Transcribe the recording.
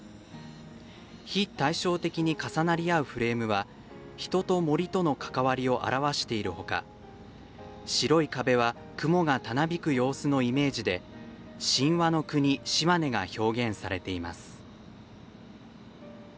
非対称的に重なり合うフレームは人と森との関わりを表しているほか白い壁は雲がたなびく様子のイメージで神話の国・島根が表現されています。